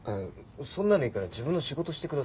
そんなのいいから自分の仕事してくださいよ。